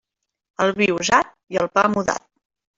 El vi, usat; i el pa, mudat.